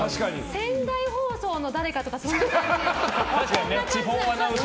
仙台放送の誰かとかそんな感じ。